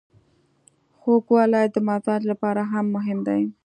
خوږوالی د مزاج لپاره هم مهم دی.